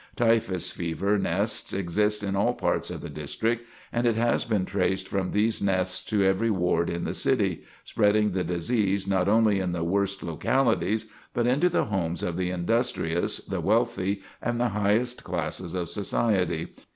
Typhus fever nests exist in all parts of the district; and it has been traced from these nests to every ward in the city, spreading the disease not only in the worst localities, but into the homes of the industrious, the wealthy, and the highest classes of society.